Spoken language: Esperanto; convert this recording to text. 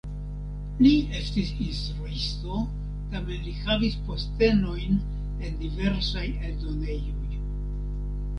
Li estis instruisto, tamen li havis postenojn en diversaj eldonejoj.